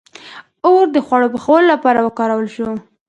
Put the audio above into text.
• اور د خوړو پخولو لپاره وکارول شو.